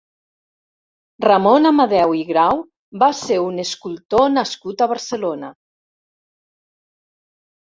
Ramon Amadeu i Grau va ser un escultor nascut a Barcelona.